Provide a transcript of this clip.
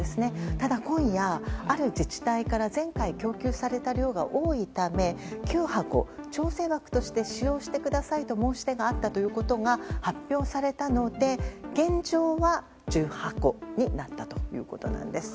ただ、今夜ある自治体から前回供給された量が多いため、９箱調整枠として使用してくださいと申し出があったということが発表されたので現状は１０箱になったということです。